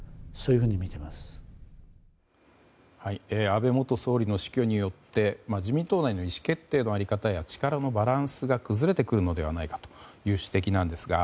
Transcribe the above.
安倍元総理の死去によって自民党内の意思決定のあり方や力のバランスが崩れてくるのではないかという指摘なんですが。